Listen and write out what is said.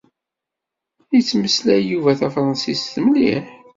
Yettmeslay Yuba tafṛansist mliḥ.